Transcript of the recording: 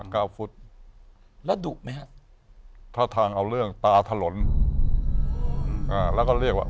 ครับเมื่อ๙ฟุตหรือถ้าทางเอาเรื่องตาถลสแล้วก็เรียกว่า